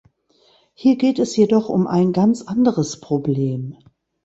Hier geht es jedoch um ein ganz anderes Problem.